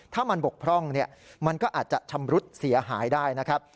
ถ้ามันบกพร่องมันก็อาจจะชำรุดเสียหายได้นะครับ